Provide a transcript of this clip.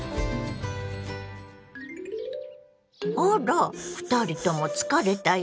あら２人とも疲れた様子ね。